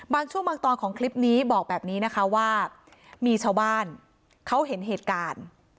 บางช่วงบางตอนของคลิปนี้บอกแบบนี้นะคะว่ามีชาวบ้านเขาเห็นเหตุการณ์